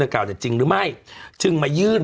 ดังกล่าวจะจริงหรือไม่จึงมายื่น